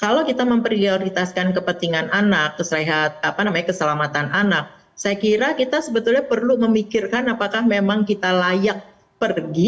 kalau kita memprioritaskan kepentingan anak keselamatan anak saya kira kita sebetulnya perlu memikirkan apakah memang kita layak pergi